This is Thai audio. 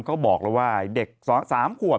เขาบอกแล้วว่าเด็ก๓ขวบ